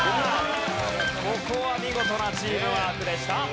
ここは見事なチームワークでした。